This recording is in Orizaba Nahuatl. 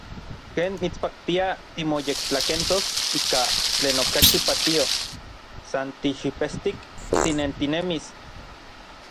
Ken mitspaktia timoyektlakentos ika tlen okachi patio, san tixipestik tinentinemis.